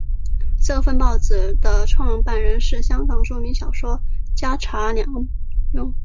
这份报纸的创办人是香港著名小说家查良镛。